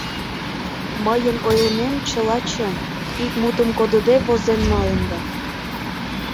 — Мыйын ойлымем чыла чын, ик мутым кодыде возен налында...